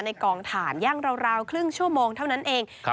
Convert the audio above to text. กองถ่านย่างราวครึ่งชั่วโมงเท่านั้นเอง